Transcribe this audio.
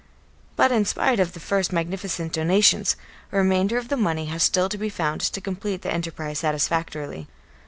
But in spite of the first magnificent donations, a remainder of the money has still to be found to complete the enterprise satisfactorily.